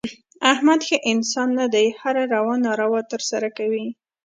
احمد ښه انسان نه دی. هره روا ناروا ترسه کوي.